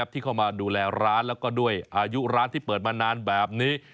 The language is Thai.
ที่เข้ามาดูแลร้านแล้วก็ด้วยอายุร้านที่เปิดมานานแบบนี้